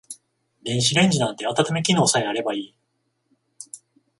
電子レンジなんて温め機能さえあればいい